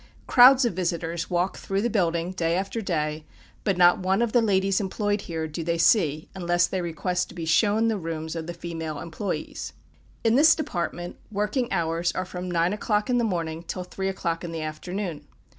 Crowds of visitors walk through the building, day after day, but not one of all the ladies employed here do they see, unless they request to be shown the rooms of the female employés. In this department, working hours are from nine o'clock in the morning till three o'clock in the afternoon.